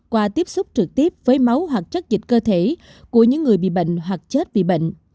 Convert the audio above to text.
qua tiếp xúc trực tiếp với máu hoặc chất dịch cơ thể của những người bị bệnh hoặc chết vì bệnh